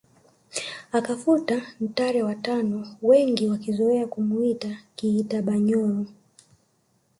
Akafuta Ntare wa tano wengi wakizoea kumuita Kiitabanyoro